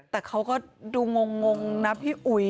แต่เขาก็ดูงงนะพี่อุ๋ย